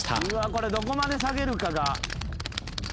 これどこまで下げるかが。